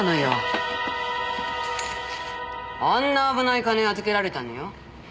あんな危ない金預けられたのよ。